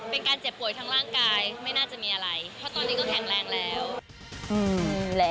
เป็นการเจ็บป่วยทางร่างกายไม่น่าจะมีอะไรเพราะตอนนี้ก็แข็งแรงแล้ว